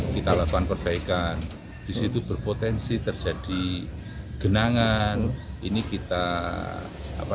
kita lakukan perbaikan disitu berpotensi terjadi genangan ini kita apa